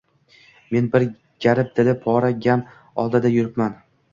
Men bir garib dili pora gam alamda yuribman